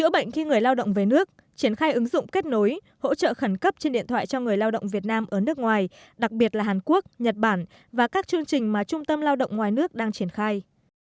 bệnh khi người lao động về nước triển khai ứng dụng kết nối hỗ trợ khẩn cấp trên điện thoại cho người lao động việt nam ở nước ngoài đặc biệt là hàn quốc nhật bản và các chương trình mà trung tâm lao động ngoài nước đang triển khai